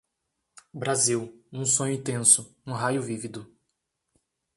Brasil, um sonho intenso, um raio vívido